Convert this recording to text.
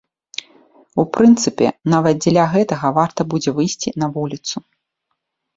У прынцыпе, нават дзеля гэтага варта будзе выйсці на вуліцу.